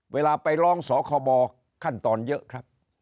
เวลาไปร้องสคบขั้นตอนเยอะครับ